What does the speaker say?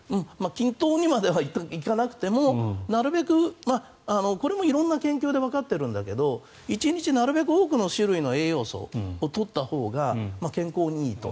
均等にはいかなくてもなるべくこれも色んな研究でわかっているんだけど１日なるべく多くの種類の栄養素を取ったほうが健康にいいと。